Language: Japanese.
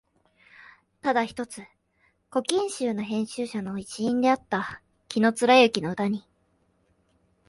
ただ一つ「古今集」の編集者の一員であった紀貫之の歌に、